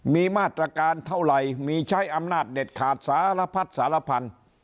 มีมาตรการเท่าไหร่มีใช้อำนาจเด็ดขาดสารพัดสารพันธุ์